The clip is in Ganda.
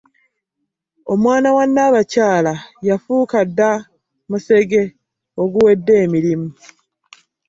Omwana wa Nnabakyala yafuuka dda musege oguwedde emirimu